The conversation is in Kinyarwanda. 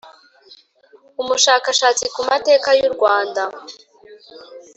umushakashatsi ku mateka y’u rwanda